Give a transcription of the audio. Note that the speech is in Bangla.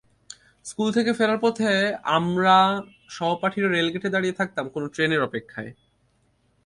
স্কুল থেকে ফেরার পথে আমরা সহপাঠীরা রেলগেটে দাঁড়িয়ে থাকতাম কোনো ট্রেনের অপেক্ষায়।